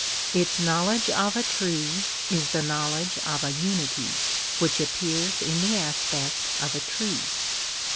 Its knowledge of a tree is the knowledge of a unity, which appears in the aspect of a tree.